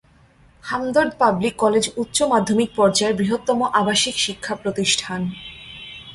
Hamdard public college উচ্চ মাধ্যমিক পর্যায়ের বৃহত্তম আবাসিক শিক্ষা প্রতিষ্ঠান।